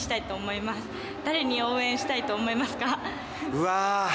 うわ。